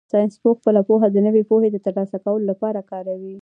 ساینسپوه خپله پوهه د نوې پوهې د ترلاسه کولو لپاره کاروي.